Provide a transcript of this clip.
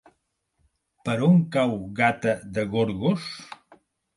Per on cau Gata de Gorgos?